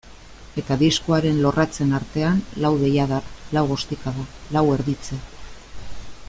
Eta diskoaren lorratzen artean lau deiadar, lau ostikada, lau erditze.